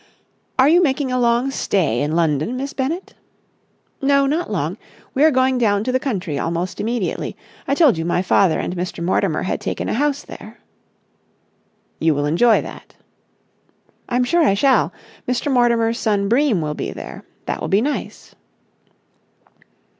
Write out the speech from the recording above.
"Are you making a long stay in London, Miss Bennett?" "No, not long. We are going down to the country almost immediately. I told you my father and Mr. Mortimer had taken a house there." "You will enjoy that." "I'm sure I shall. Mr. Mortimer's son Bream will be there. That will be nice."